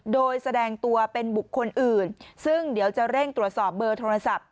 โดยแสดงตัวเป็นบุคคลอื่นซึ่งเดี๋ยวจะเร่งตรวจสอบเบอร์โทรศัพท์